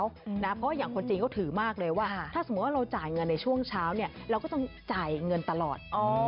เพราะว่าอย่างคนจีนเขาถือมากเลยว่าถ้าสมมุติว่าเราจ่ายเงินในช่วงเช้าเนี่ยเราก็ต้องจ่ายเงินตลอด